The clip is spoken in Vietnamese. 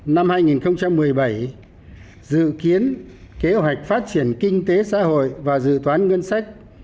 năm hai nghìn một mươi bảy dự kiến kế hoạch phát triển kinh tế xã hội và dự toán ngân sách